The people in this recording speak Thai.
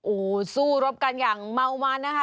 โอ้โหสู้รบกันอย่างเมามันนะคะ